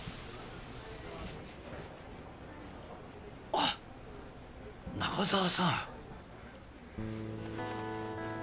あっ中澤さん。